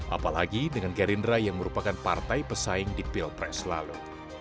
apalagi dengan gerindra yang merupakan partai pesaing di pilpres lalu